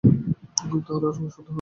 তাহার আর সন্দেহ নাই।